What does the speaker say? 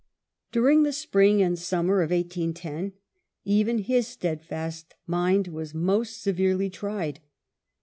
During the spring and summer of 1810 even his steadfast mind was most severely tried.